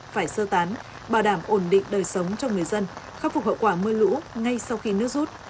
phải sơ tán bảo đảm ổn định đời sống cho người dân khắc phục hậu quả mưa lũ ngay sau khi nước rút